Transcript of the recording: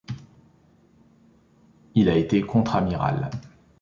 Il a été contre-amiral.